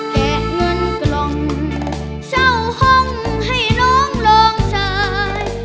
แกะเงินกล่องเช่าห้องให้น้องลองจ่าย